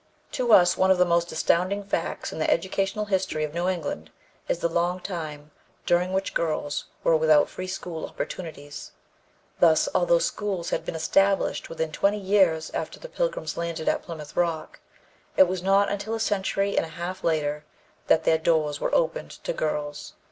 To us one of the most astounding facts in the educational history of New England is the long time during which girls were without free school opportunities. Thus, although schools had been established within twenty years after the Pilgrims landed at Plymouth Rock, it was not until a century and a half later that their doors were opened to girls.